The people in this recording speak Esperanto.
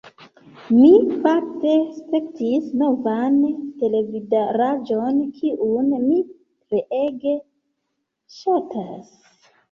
Mi, fakte, spektis novan televidaranĝon kiun mi treege ŝatas